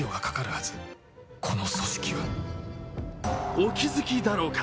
お気づきだろうか？